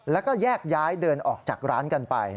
แล้วก็แยกย้ายเดินออกจากร้านกันไป